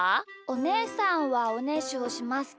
おねえさんはおねしょしますか？